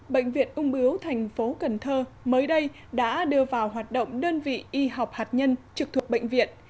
bệnh viện ung biếu thành phố cần thơ mới đây đã đưa vào hoạt động đơn vị y học hạt nhân trực thuộc bệnh viện